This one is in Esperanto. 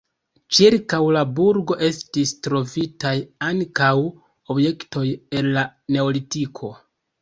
Ĉirkaŭ la burgo estis trovitaj ankaŭ objektoj el la neolitiko.